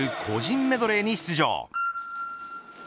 個人メドレーに出場。